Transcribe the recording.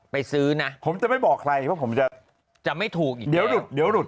ซื้อนะผมจะไม่บอกใครเพราะผมจะไม่ถูกอีกเดี๋ยวหลุดเดี๋ยวหลุด